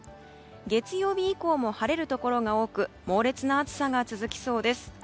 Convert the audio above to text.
月曜日以降も晴れるところが多く猛烈な暑さが続きそうです。